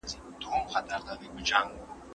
کواساکي د ټولنیزو بدلونونو یادونه وکړه.